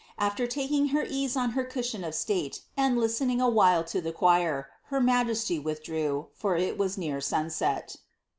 After tak ing her ease on ber cushion of stale, and listening awhile to the choir, her majesty withdrew, for it was near sunset.